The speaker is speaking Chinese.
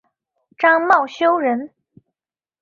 张懋修人。